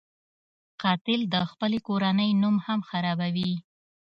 قاتل د خپلې کورنۍ نوم هم خرابوي